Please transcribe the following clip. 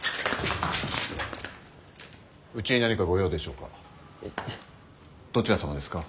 うちに何か御用でしょうか？